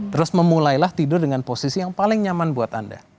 terus memulailah tidur dengan posisi yang paling nyaman buat anda